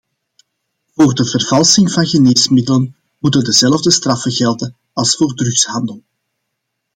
Voor de vervalsing van geneesmiddelen moeten dezelfde straffen gelden als voor drugshandel.